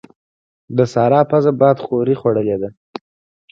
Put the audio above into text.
د سارا پزه بادخورې خوړلې ده.